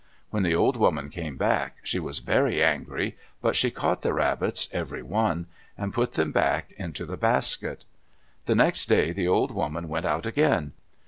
When the old woman came back, she was very angry, but she caught the rabbits, every one, and put them all back into the basket. The next day the old woman went out again.